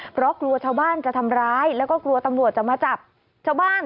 เพราะกลัวชาวบ้านจะทำร้ายแล้วก็กลัวตำรวจจะมาจับชาวบ้าน